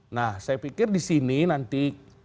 nah saya pikir disini nanti